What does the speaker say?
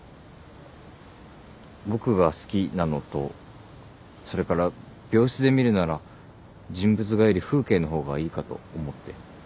僕が好きなのとそれから病室で見るなら人物画より風景の方がいいかと思って。